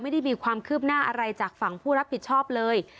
ไม่ได้มีความคืบหน้าอะไรจากฝั่งผู้รับผิดชอบเลย